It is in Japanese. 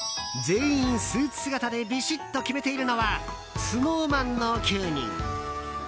全員、スーツ姿でビシッと決めているのはＳｎｏｗＭａｎの９人。